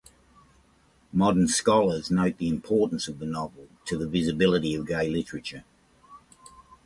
Modern scholars note the importance of the novel to the visibility of gay literature.